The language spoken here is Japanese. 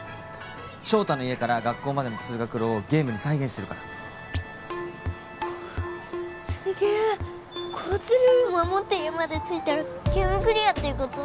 翔太の家から学校までの通学路をゲームに再現してるからすげえ交通ルールを守って家まで着いたらゲームクリアっていうこと？